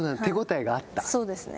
そうですね。